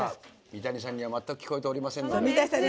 三谷さんには全く聞こえていません。